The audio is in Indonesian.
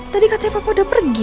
tadi katanya aku udah pergi